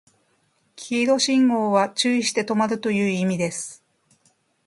黄色信号は注意して止まるという意味です